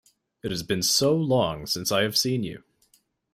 It has been so long since I have seen you!